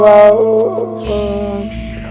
gak usah beresit diam diam